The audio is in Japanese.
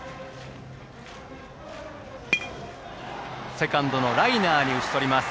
セカンドのライナーに打ち取ります。